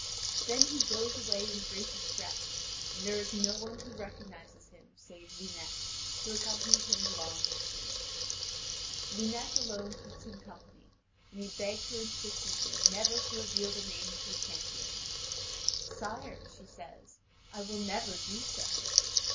(Vv. 4635 4674.) Then he goes away in great distress, and there is no one who recognises him save Lunete, who accompanied him a long distance. Lunete alone keeps him company, and he begs her insistently never to reveal the name of her champion. "Sire," says she, "I will never do so."